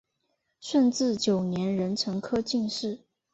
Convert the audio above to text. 顺治九年壬辰科进士。